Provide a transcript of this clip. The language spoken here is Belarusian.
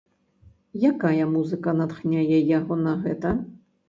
Якая музыка натхняе яго на гэта?